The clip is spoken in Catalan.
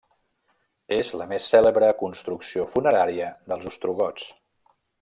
És la més cèlebre construcció funerària dels ostrogots.